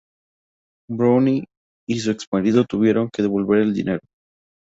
Browne y su exmarido tuvieron que devolver el dinero.